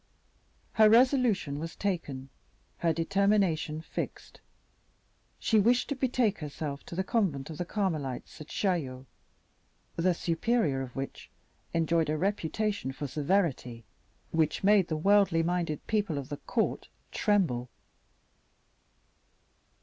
Her resolution was taken her determination fixed; she wished to betake herself to the convent of the Carmelites at Chaillot, the superior of which enjoyed a reputation for severity which made the worldly minded people of the court tremble.